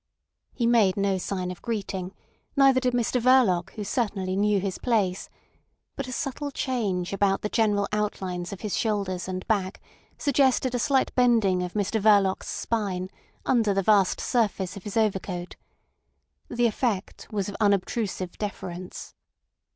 He made no sign of greeting; neither did Mr Verloc, who certainly knew his place; but a subtle change about the general outlines of his shoulders and back suggested a slight bending of Mr Verloc's spine under the vast surface of his overcoat. The effect was of unobtrusive deference.